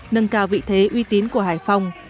nâng cao vị thế uy tín của hải phòng